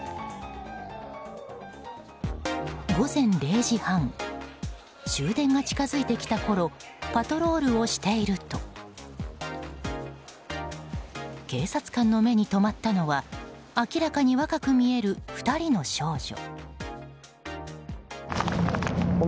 午前０時半終電が近づいてきたころパトロールをしていると警察官の目に留まったのは明らかに若く見える２人の少女。